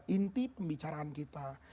inti pembicaraan kita